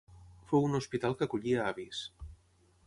Fou un hospital que acollia avis.